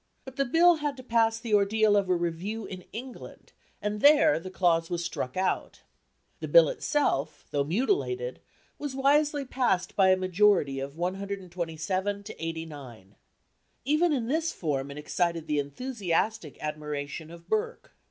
But the Bill had to pass the ordeal of a review in England, and there the clause was struck out. The Bill itself, though mutilated, was wisely passed by a majority of 127 to 89. Even in this form it excited the enthusiastic admiration of Burke.